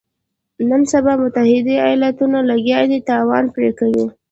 نن سبا متحده ایالتونه لګیا دي تاوان پرې کوي.